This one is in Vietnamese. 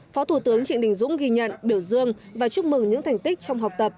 phó thủ tướng trịnh đình dũng ghi nhận biểu dương và chúc mừng những thành tích trong học tập